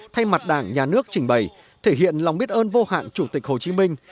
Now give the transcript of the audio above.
thay mặt đảng nhà nước trình bày thể hiện lòng biết ơn vô hạn chủ tịch hồ chí minh